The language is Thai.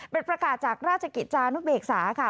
เป็นประกาศจากราชกิจจานุเบกษาค่ะ